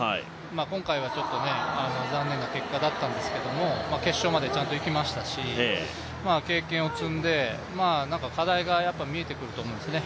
今回は、ちょっと残念な結果だったんですが決勝までちゃんといきましたし経験を積んで課題が見えてくると思うんですね。